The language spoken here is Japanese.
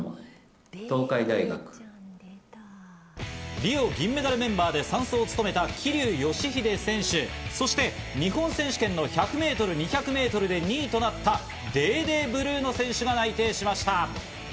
リオ銀メダルメンバーで３走を務めた桐生祥秀選手、そして日本選手権の１００ｍ、２００ｍで２位となったデーデー・ブルーノ選手が内定しました。